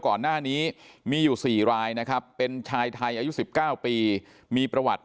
ก่อนหน้านี้มีอยู่๔รายนะครับเป็นชายไทยอายุ๑๙ปีมีประวัติ